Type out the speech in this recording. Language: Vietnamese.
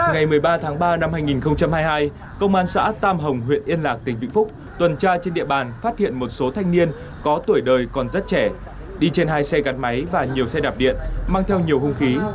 ngày một mươi ba tháng ba năm hai nghìn hai mươi hai công an xã tam hồng huyện yên lạc tỉnh vĩnh phúc tuần tra trên địa bàn phát hiện một số thanh niên có tuổi đời còn rất trẻ đi trên hai xe gạt máy và nhiều xe đạp điện mang theo nhiều hung khí